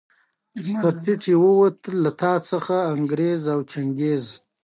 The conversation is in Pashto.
غریب د شپو شګو ته ګوري